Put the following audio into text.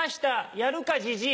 「やるかじじい」